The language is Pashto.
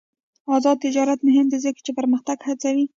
آزاد تجارت مهم دی ځکه چې پرمختګ هڅوي.